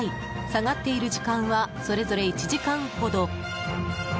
下がっている時間はそれぞれ１時間ほど。